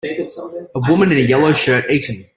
A woman in a yellow shirt eating.